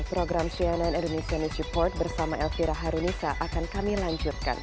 program cnn indonesia news report bersama elvira harunisa akan kami lanjutkan